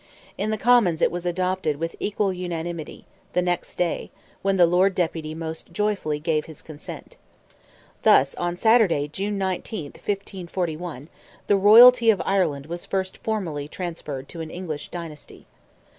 In the Commons it was adopted with equal unanimity the next day, when the Lord Deputy most joyfully gave his consent. Thus on Saturday, June 19th, 1541, the royalty of Ireland was first formally transferred to an English dynasty.